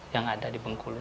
yang ada di bengkulu